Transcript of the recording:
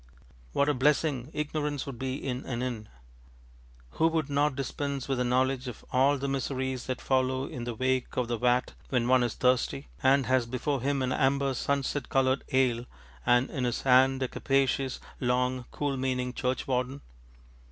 What a blessing ignorance would be in an inn! Who would not dispense with a knowledge of all the miseries that follow in the wake of the vat when one is thirsty, and has before him amber sunset coloured ale, and in his hand a capacious, long, cool meaning churchwarden?